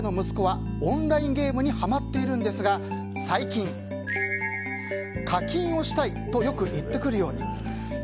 中学１年生の息子はオンラインゲームにはまっているんですが最近、課金をしたいとよく言ってくるように。